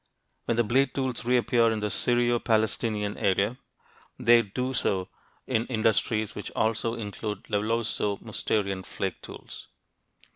When the blade tools reappear in the Syro Palestinian area, they do so in industries which also include Levalloiso Mousterian flake tools.